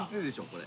これ。